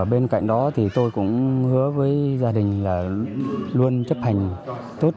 bên cạnh đó thì tôi cũng hứa với gia đình là luôn chấp hành tốt